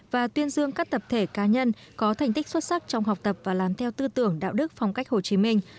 và tuyên dương các tập thể cá nhân có thành tích xuất sắc trong học tập và làm theo tư tưởng đạo đức phong cách hồ chí minh